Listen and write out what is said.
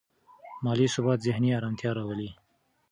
مالي ثبات ذهني ارامتیا راولي.